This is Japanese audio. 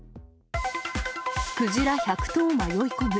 クジラ１００頭迷い込む。